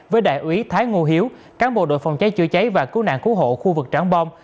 với đại úy thái ngô hiếu cán bộ đội phòng cháy chữa cháy và cứu nạn cứu hộ khu vực tráng bom